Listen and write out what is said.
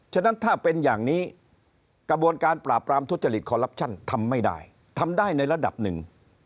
ฉะนั้นถ้าเป็นอย่างนี้กระบวนการปราบปรามทุจริตคอลลับชั่นทำไม่ได้ทำได้ในระดับหนึ่ง